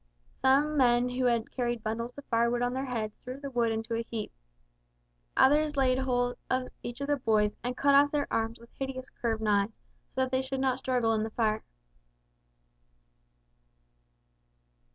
Some men who had carried bundles of firewood on their heads threw the wood into a heap; others laid hold of each of the boys and cut off their arms with hideous curved knives so that they should not struggle in the fire.